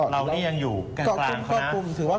เรานี่ยังอยู่กลางเขานะ